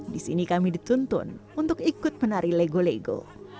di sini kami dituntun untuk ikut menari lego lego